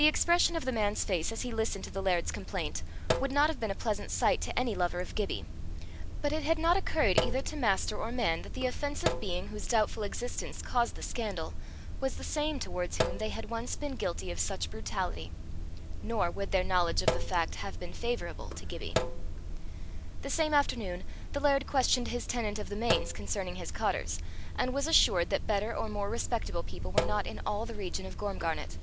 The expression of the man's face as he listened to the laird's complaint, would not have been a pleasant sight to any lover of Gibbie; but it had not occurred either to master or man that the offensive being whose doubtful existence caused the scandal, was the same towards whom they had once been guilty of such brutality; nor would their knowledge of the fact have been favourable to Gibbie. The same afternoon, the laird questioned his tenant of the Mains concerning his cottars; and was assured that better or more respectable people were not in all the region of Gormgarnet.